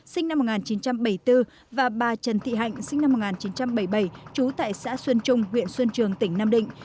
sinh năm một nghìn chín trăm bảy mươi bốn và bà trần thị hạnh sinh năm một nghìn chín trăm bảy mươi bảy trú tại xã xuân trung huyện xuân trường tỉnh nam định